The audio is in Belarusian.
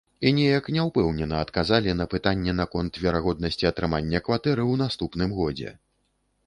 І неяк няўпэўнена адказалі на пытанне наконт верагоднасці атрымання кватэры ў наступным годзе.